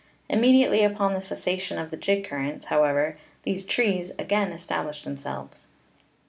Immediately upon the cessation of the jig currents, however, these "trees" again establish them selves.